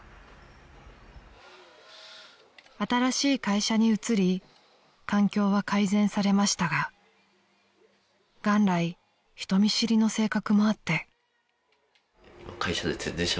［新しい会社に移り環境は改善されましたが元来人見知りの性格もあって］